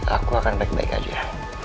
aku akan baik baik aja